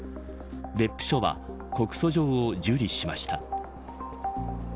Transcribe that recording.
別府署は告訴状を受理しました。